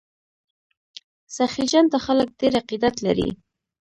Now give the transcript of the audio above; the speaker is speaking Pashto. سخي جان ته خلک ډیر عقیدت لري.